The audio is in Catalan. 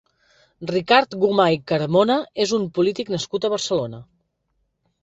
Ricard Gomà i Carmona és un polític nascut a Barcelona.